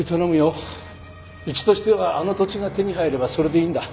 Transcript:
うちとしてはあの土地が手に入ればそれでいいんだ。